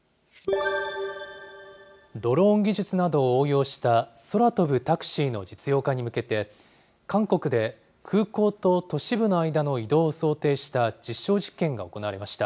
ドローン技術などを応用した空飛ぶタクシーの実用化に向けて、韓国で空港と都市部の間の移動を想定した実証実験が行われました。